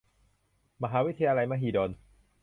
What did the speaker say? มหาวิทยาลัยมหิดล